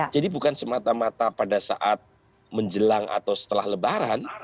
bukan semata mata pada saat menjelang atau setelah lebaran